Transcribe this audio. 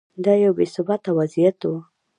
دا یو بې ثباته وضعیت و.